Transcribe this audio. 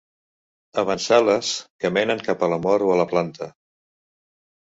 Avantsales que menen cap a la mort o a planta.